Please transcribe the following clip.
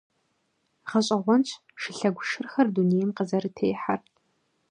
Гъэщӏэгъуэнщ шылъэгу шырхэр дунейм къызэрытехьэр.